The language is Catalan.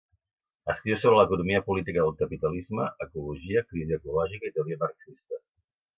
Escriu sobre l'economia política del capitalisme, ecologia, crisi ecològica i teoria marxista.